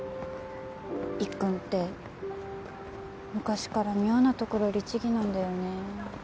いっくんって昔から妙なところ律義なんだよね。